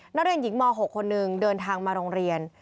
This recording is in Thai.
นักเรียนหญิงม๖คนหนึ่งเดินทางมาโรงเรียน